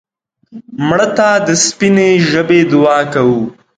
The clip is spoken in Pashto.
مړه ته د سپینې ژبې دعا کوو